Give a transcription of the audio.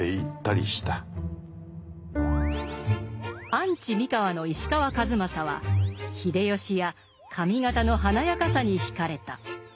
アンチ三河の石川数正は秀吉や上方の華やかさに惹かれた。